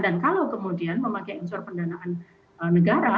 dan kalau kemudian memakai insur pendanaan negara